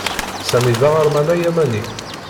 Sami d aɣerman ayamani.